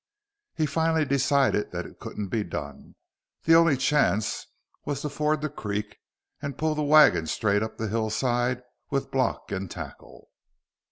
He finally decided that it couldn't be done. The only chance was to ford the creek and pull the wagon straight up the hillside with block and tackle.